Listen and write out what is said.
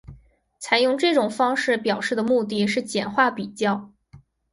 采用这种方式表示的目的是简化比较。